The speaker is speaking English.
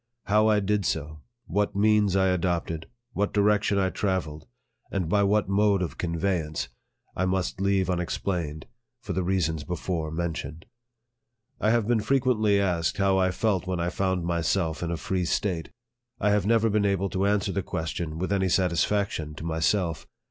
How I did so, what means I adopted, what direction I travelled, and by what mode of conveyance, I must leave unexplained, for the reasons before mentioned. I have been frequently asked how I felt when I found myself in a free State. I have never been able to an swer the question with any satisfaction to myself.